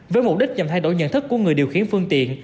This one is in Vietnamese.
với mục đích nhằm thay đổi nhận thức của người điều khiển phương tiện